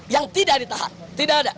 yang tidak ditahan tidak ada